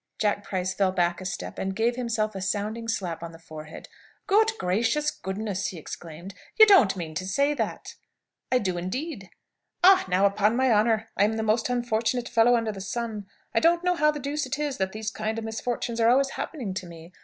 Jack Price fell back a step and gave himself a sounding slap on the forehead. "Good gracious goodness!" he exclaimed. "You don't mean to say that?" "I do, indeed." "Ah, now, upon my honour, I am the most unfortunate fellow under the sun! I don't know how the deuce it is that these kind of misfortunes are always happening to me.